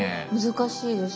難しいです。